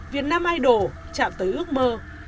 việt nam idol trạm tới ước mơ